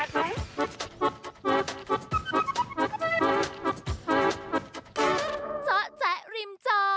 แบบนั้น